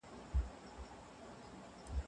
که پوهاوی زیات شي ناروغي به کمه شي.